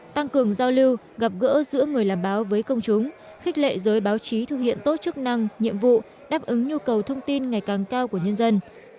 tăng cường giao lưu gặp gỡ giữa người làm báo với công chúng khích lệ giới báo chí thực hiện tốt chức năng nhiệm vụ đáp ứng nhu cầu thông tin ngày càng cao của nhân dân